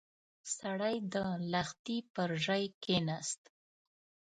سړی د لښتي پر ژۍ کېناست.